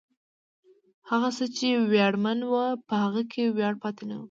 هغه څه چې ویاړمن و، په هغه کې ویاړ پاتې نه و.